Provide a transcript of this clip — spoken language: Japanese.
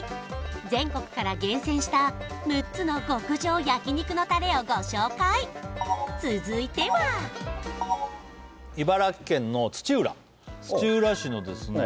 全国から厳選した６つの極上焼肉のタレをご紹介続いては土浦市のですね